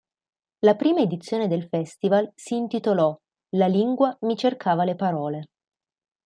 La prima edizione del festival si intitolò "La lingua mi cercava le parole".